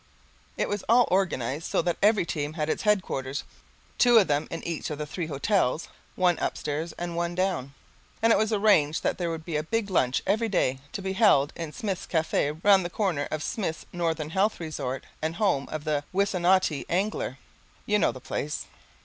It was all organized so that every team had its headquarters, two of them in each of the three hotels one upstairs and one down. And it was arranged that there would be a big lunch every day, to be held in Smith's caff, round the corner of Smith's Northern Health Resort and Home of the Wissanotti Angler, you know the place.